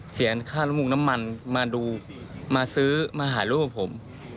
เสียงค่าลมุกน้ำมันมาดูมาซื้อมาหารูปผม